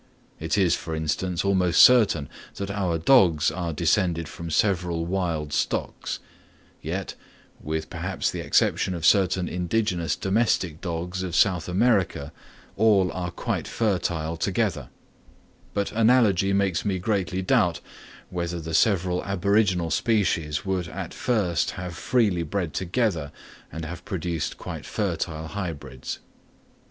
It is, for instance, almost certain that our dogs are descended from several wild stocks; yet, with perhaps the exception of certain indigenous domestic dogs of South America, all are quite fertile together; but analogy makes me greatly doubt, whether the several aboriginal species would at first have freely bred together and have produced quite fertile hybrids.